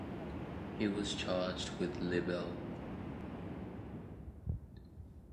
He was charged with libel.